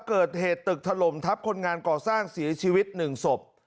เกิดเหตุตึกถล่มทับคนงานก่อสร้างเสียชีวิตหนึ่งศพ